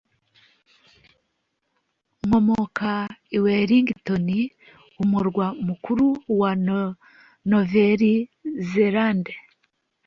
nkomoka i wellington, umurwa mukuru wa nouvelle-zélande.